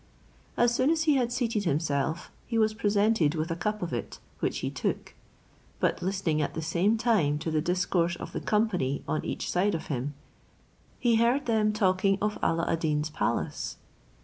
As soon as he had seated himself, he was presented with a cup of it, which he took; but listening at the same time to the discourse of the company on each side of him, he heard them talking of Alla ad Deen's palace.